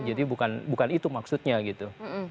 jadi bukan itu maksudnya gitu